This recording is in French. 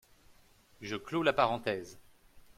Je clos la parenthèse.